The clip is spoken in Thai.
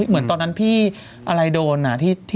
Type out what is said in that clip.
เหมือนตอนนั้นพี่อะไรโดน